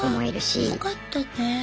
あよかったね。